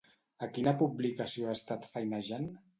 A quina publicació ha estat feinejant?